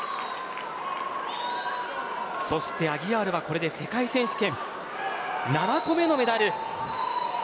そしてアギアールはこれで世界選手権７個目のメダルです。